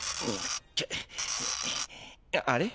あれ？